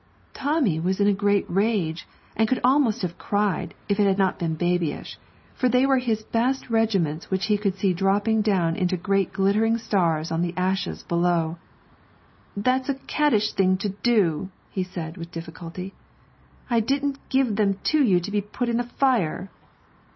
Tommy was in a great rage, and could almost have cried, if it had not been babyish, for they were his best regiments which he could see dropping down in great glittering stars on the ashes below. 'That's a caddish thing to do,' he said, with difficulty; 'I didn't give them to you to put in the fire!'